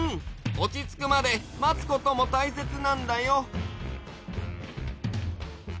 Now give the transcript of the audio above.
おちつくまでまつこともたいせつなんだよ。